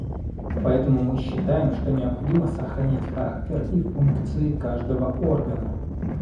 Поэтому мы считаем, что необходимо сохранить характер и функции каждого органа.